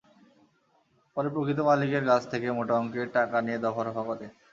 পরে প্রকৃত মালিকের কাছ থেকে মোটা অঙ্কের টাকা নিয়ে দফারফা করে।